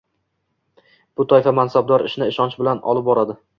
Bu toifa mansabdor ishni ishonch bilan olib boradi.